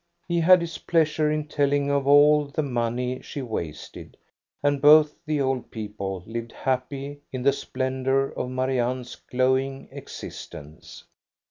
He had his pleasure in telling of all the money she wasted, and both the old people lived happy in the splendor of Marianne's glowing existence.